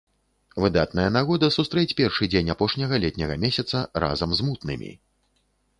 Выдатная нагода сустрэць першы дзень апошняга летняга месяца разам з мутнымі!